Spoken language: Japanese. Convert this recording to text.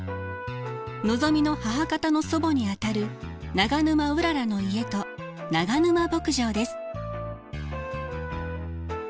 のぞみの母方の祖母にあたる長沼うららの家と長沼牧場です。